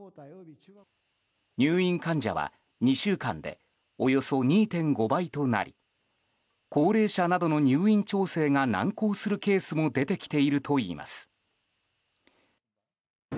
入院患者は２週間でおよそ２．５倍となり高齢者などの入院調整が難航するケースも出てきているといいます。